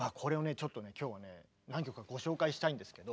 ちょっと今日はね何曲かご紹介したいんですけど。